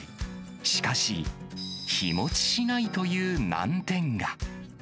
しかし、日持ちしないという難点が。